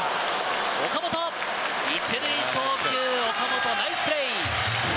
岡本、１塁送球、岡本、ナイスプレー。